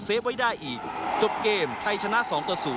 ไว้ได้อีกจบเกมไทยชนะ๒ต่อ๐